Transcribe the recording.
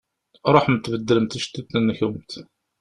Ṛuḥemt beddlemt iceṭṭiḍent-nkent.